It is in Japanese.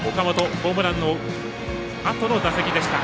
ホームランのあとの打席でした。